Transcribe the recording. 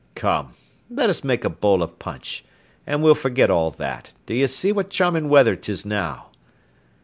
Come, let us make a bowl of punch, and we'll forget all that; d'ye see what charming weather 'tis now?"